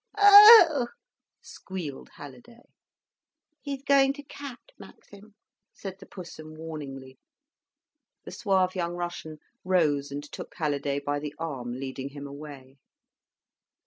"Oh!" squealed Halliday. "He's going to cat, Maxim," said the Pussum warningly. The suave young Russian rose and took Halliday by the arm, leading him away.